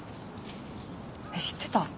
えっ知ってた？